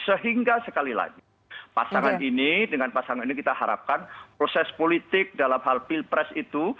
sehingga sekali lagi pasangan ini dengan pasangan ini kita harapkan proses politik dalam hal pilpres itu